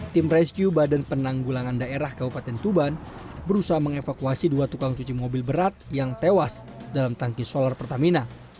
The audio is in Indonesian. tim rescue badan penanggulangan daerah kabupaten tuban berusaha mengevakuasi dua tukang cuci mobil berat yang tewas dalam tangki solar pertamina